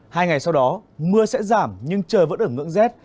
hai ngày sau đó mưa sẽ giảm nhưng trời vẫn ở ngưỡng rét